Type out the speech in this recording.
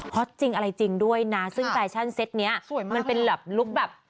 จริงอะไรจริงด้วยนะซึ่งแฟชั่นเซ็ตนี้มันเป็นแบบลุคแบบ